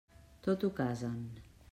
Tot ho casen.